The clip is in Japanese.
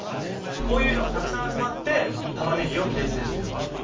こういうのがたくさん集まってタマネギを形成してるわけ。